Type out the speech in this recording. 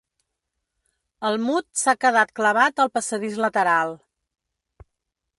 El Mud s'ha quedat clavat al passadís lateral.